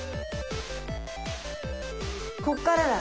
こっからだ。